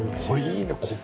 いいね